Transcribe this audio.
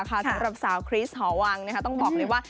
สำหรับสาวคริสหอวังต้องบอกเลยว่า